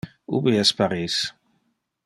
Ubi es Paris?